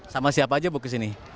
sama siapa aja bu ke sini